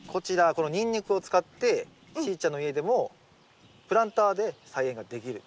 このニンニクを使ってしーちゃんの家でもプランターで菜園ができると。